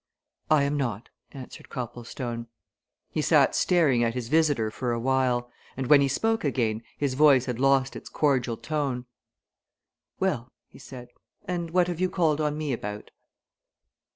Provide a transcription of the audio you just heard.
"I am not," answered Copplestone. He sat staring at his visitor for awhile, and when he spoke again his voice had lost its cordial tone. "Well," he said, "and what have you called on me about?"